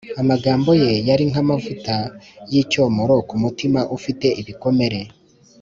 Amagambo Ye yari nk’amavuta y’icyomoro ku mutima ufite ibikomere.